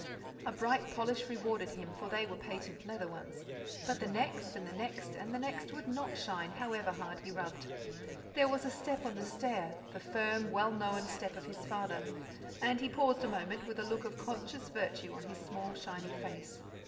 A bright polish rewarded him, for they were patent leather ones; but the next and the next and the next would not shine, however hard he rubbed. There was a step on the stair, the firm, well known step of his father, and he paused a moment with a look of conscious virtue on his small shiny face.